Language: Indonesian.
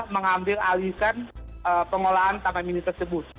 mengambil alihkan pengolahan taman mini tersebut